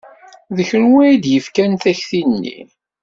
D kenwi ay d-yefkan takti-nni?